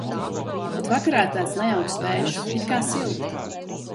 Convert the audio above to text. Bet vakarā tāds nejauks vējš, it kā silti.